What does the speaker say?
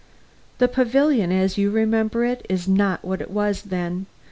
The pavilion, as you remember it, is not what it was then.